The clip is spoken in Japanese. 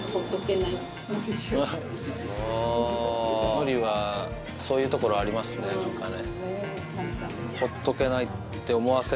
のりはそういうところありますね何かね。